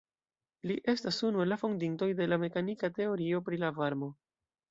Li estas unu el la fondintoj de la mekanika teorio pri la varmo.